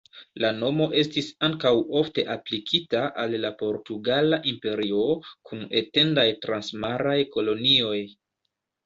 La nomo estis ankaŭ ofte aplikita al la Portugala Imperio, kun etendaj transmaraj kolonioj.